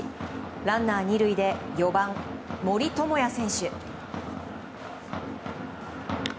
ランナー２塁で４番、森友哉選手。